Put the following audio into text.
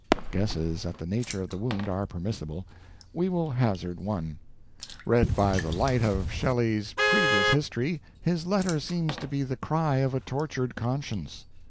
Guesses at the nature of the wound are permissible; we will hazard one. Read by the light of Shelley's previous history, his letter seems to be the cry of a tortured conscience.